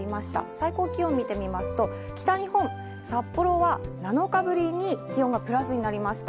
最高気温見てみますと、北日本、札幌は７日ぶりに気温がプラスになりました。